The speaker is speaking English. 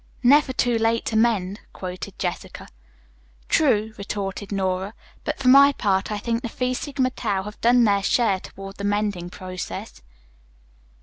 "'Never too late to mend,'" quoted Jessica. "True," retorted Nora, "but for my part I think the Phi Sigma Tau have done their share toward the mending process."